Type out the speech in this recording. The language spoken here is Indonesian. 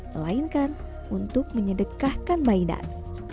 melainkan untuk menyedekahkan mainan